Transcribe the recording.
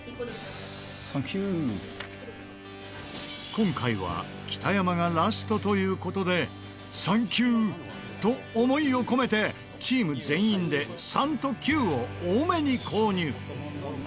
今回は北山がラストという事で「サンキュー」と思いを込めてチーム全員で３と９を多めに購入。